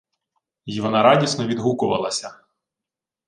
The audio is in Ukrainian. Й вона радісно відгукувалася: